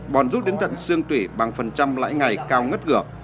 bòn rút đến tận xương tủy bằng phần trăm lãi ngày cao ngất ngửa